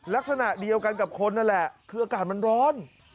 ลักษณะเดียวกันกับคนนั่นแหละคืออากาศมันร้อน